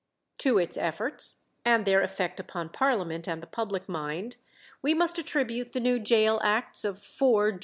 To its efforts, and their effect upon Parliament and the public mind, we must attribute the new Gaol Acts of 4 Geo.